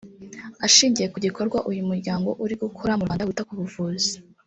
Ashingiye ku gikorwa uyu muryango uri gukora mu Rwanda wita ku buvuzi